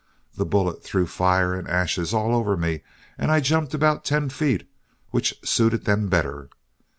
The bullet threw fire and ashes all over me, and I jumped about ten feet, which suited them better.